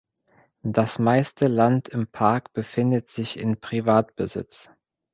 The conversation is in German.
Das meiste Land im Park befindet sich in Privatbesitz.